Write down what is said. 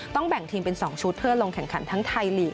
แบ่งทีมเป็น๒ชุดเพื่อลงแข่งขันทั้งไทยลีก